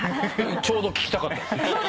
ちょうど聞きたかった。